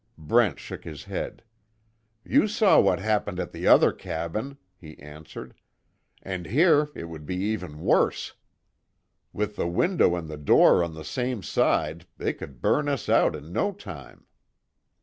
Brent shook his head: "You saw what happened at the other cabin," he answered. "And here it would be even worse. With the window and the door on the same side, they could burn us out in no time."